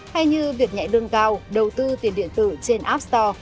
hay như việc nhảy đơn cao đầu tư tiền điện tử trên app store